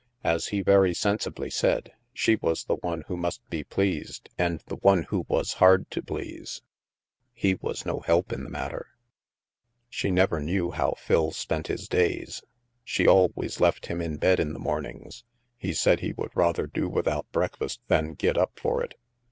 As he very sensibly said, she was the one who must be pleased and the one who was hard to please; he was no help in the matter. ii8 THE MASK She never knew how Phil spent his days. She always left him in bed in the mornings; he said he would rather do without breakfast than get up for it.